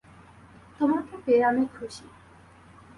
তোমাকে পেয়ে আমি খুশি।